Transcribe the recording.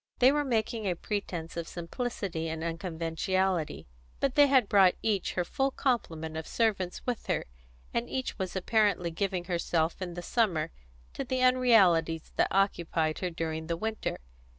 They were making a pretence of simplicity and unconventionality; but they had brought each her full complement of servants with her, and each was apparently giving herself in the summer to the unrealities that occupied her during the winter.